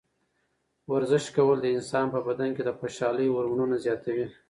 ورزش کول د انسان په بدن کې د خوشحالۍ هورمونونه زیاتوي.